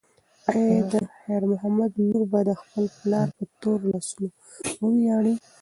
ایا د خیر محمد لور به د خپل پلار په تورو لاسو وویاړي؟